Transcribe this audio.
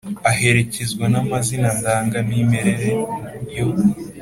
a herekezwa na mazina ndanga - mimerere an yo